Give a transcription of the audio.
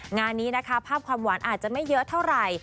งานนี้นะคะภาพความหวานอาจจะไม่เยอะเท่าไหร่